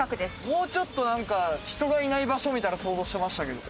もうちょっとなんか人がいない場所みたいなの想像してましたけど。